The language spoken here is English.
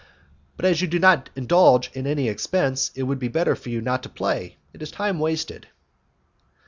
"But as you do not indulge in any expense it would be better for you not to play; it is time wasted."